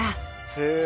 へえ。